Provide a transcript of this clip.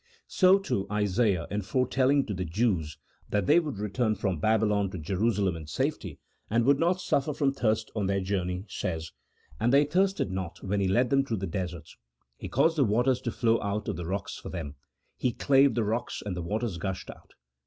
So, too, Isaiah in f oretelling to the Jews that they would return from Babylon to Jerusalem in safety, and would not suffer from thirst on their journey, says : "And they thirsted CHAP. VI.] OF MIRACLES. 95 aiot when He led them through the deserts ; He caused the waters to flow out of the rocks for them ; He clave the rocks, and the waters gushed out."